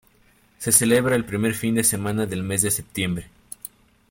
Se celebra el primer fin de semana del mes de septiembre.